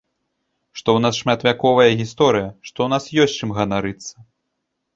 Што ў нас шматвяковая гісторыя, што ў нас ёсць чым ганарыцца.